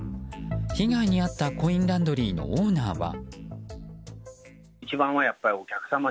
被害に遭ったコインランドリーのオーナーは。